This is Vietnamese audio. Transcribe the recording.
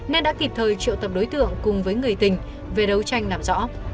nên đã kịp thời triệu tập đối tượng cùng với người tình về đấu tranh làm rõ